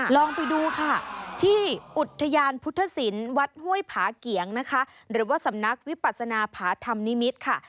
ลองไปดูค่ะที่อุทยานพุทธศิลป์วัดห้วยผาเกียงนะคะหรือว่าสำนักวิปัสนาผาธรรมนิมิตรค่ะ